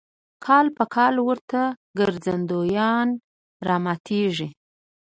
کال په کال ورته ګرځندویان راماتېږي.